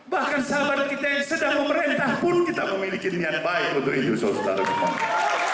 bahkan sahabat kita yang sedang memerintah pun kita memiliki niat baik untuk hidup sosial kita